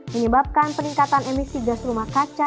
menyebabkan peningkatan emisi gas rumah kaca